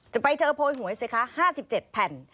จะไปเจอโพยหวยสิคะ๕๗แผ่น